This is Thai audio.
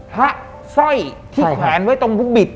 พระสร้อยที่แขวนไว้ตรงบุตรบิด